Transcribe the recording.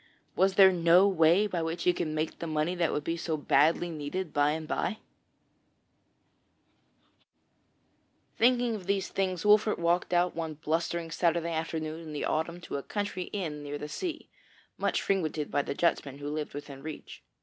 Was there no way by which he could make the money that would be so badly needed by and bye? Thinking of those things, Wolfert walked out one blustering Saturday afternoon in the autumn to a country inn near the sea, much frequented by the Dutchmen who lived within reach.